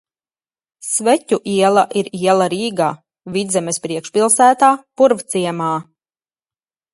Sveķu iela ir iela Rīgā, Vidzemes priekšpilsētā, Purvciemā.